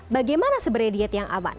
bagaimana sebenarnya diet yang aman